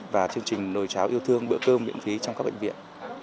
và chương trình nồi cháo yêu thương bữa cơm miễn phí trong các bệnh viện